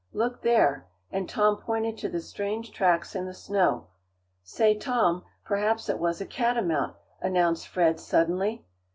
Look there," and Tom pointed to the strange tracks in the snow. "Say, Tom, perhaps it was a catamount," announced Fred, suddenly.